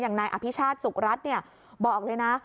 นายอภิชาติสุขรัฐบอกเลยนะ